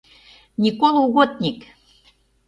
Никола угодник.